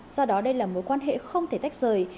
do đó đây là mối quan hệ không thể tách rời